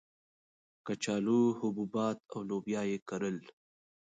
کچالو، حبوبات او لوبیا یې کرل.